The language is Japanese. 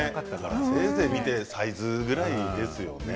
せいぜい見てサイズぐらいですよね。